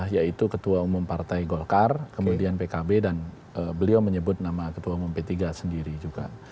yaitu ketua umum partai golkar kemudian pkb dan beliau menyebut nama ketua umum p tiga sendiri juga